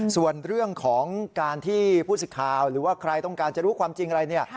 ส่วนเรื่องของการที่ผู้สิทธิ์ข่าวหรือว่าใครต้องการจะรู้ความจริงอะไรเนี่ย